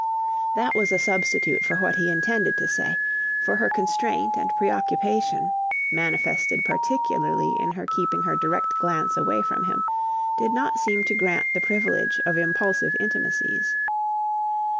That was a substitute for what he intended to say, for her constraint and preoccupation, manifested particularly in her keeping her direct glance away from him, did not seem to grant the privilege of impulsive intimacies.